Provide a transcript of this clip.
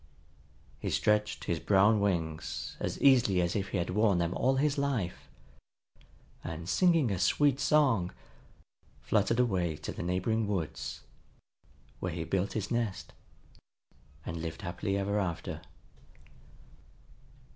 He stretched his brown wings as easily as if he had worn them all his life, and, singing a sweet song, fluttered away to the neighboring woods, where he built his nest, and lived happily ever after.